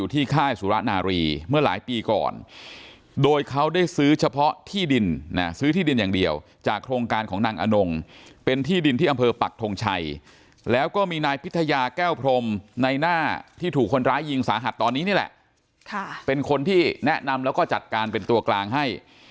ทรงการของนางอนงเป็นที่ดินที่อ่ะเบอร์ปัชทองชัยแล้วก็มีนายพิทยาแก้วพรมในหน้าที่ถูกคนร้ายจิงสาหัสตอนนี้นี่แหละค่ะเป็นคนที่แนะนำแล้วก็จัดการเป็นตัวกลางให้